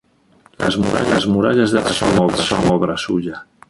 Las murallas de la ciudad son obra suya.